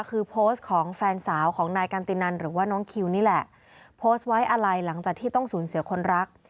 คือโพสต์ของแฟนสาวของนายกันตินันหรือว่าน้องคิวนี่แหละโพสต์ไว้อะไรหลังจากที่ต้องสูญเสียคนรัก